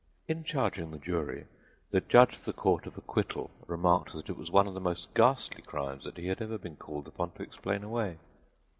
In charging the jury, the judge of the Court of Acquittal remarked that it was one of the most ghastly crimes that he had ever been called upon to explain away.